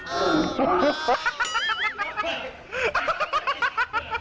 เฮ่ย